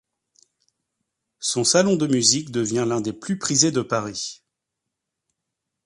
Son salon de musique devient l'un des plus prisés de Paris.